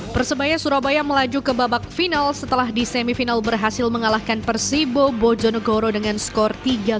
persebaya surabaya melaju ke babak final setelah di semifinal berhasil mengalahkan persibo bojonegoro dengan skor tiga satu